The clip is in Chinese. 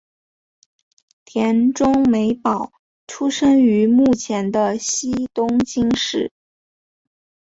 田中美保出生于目前的西东京市。